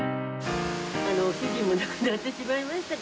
主人も亡くなってしまいまし